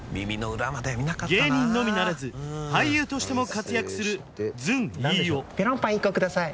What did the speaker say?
芸人のみならず俳優としても活躍するずん飯尾メロンパン１個ください